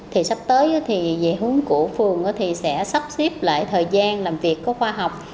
thì sắp tới thì về hướng của phường thì sẽ sắp xếp lại thời gian làm việc có khoa học